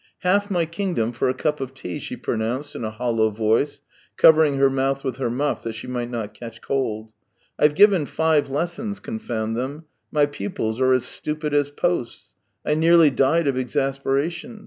" Half my kingdom for a cup of tea !" she pronounced in a hollow voice, covering her mouth with her muff that she might not catch cold. " Lve given five lessons, confound them ! My pupils are as stupid as posts; I nearly died of exasperation.